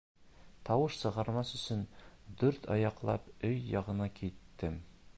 Тауыш сығармаҫ өсөн дүрт аяҡлап өй яғына киттем.